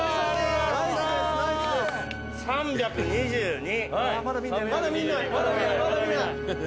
「３２２」